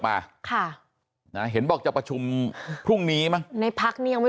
มาค่ะนะเห็นบอกจะประชุมพรุ่งนี้มั้งในพักนี้ยังไม่